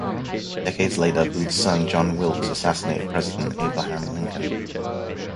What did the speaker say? Decades later, Booth's son, John Wilkes, assassinated president Abraham Lincoln.